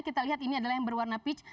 kita lihat ini adalah yang berwarna peach